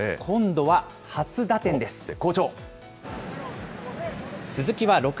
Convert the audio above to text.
今度は初打点です。